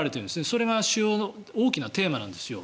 それが大きなテーマなんですよ。